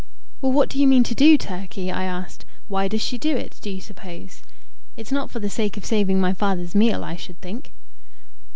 "Well, what do you mean to do, Turkey?" I asked. "Why does she do it, do you suppose? It's not for the sake of saving my father's meal, I should think."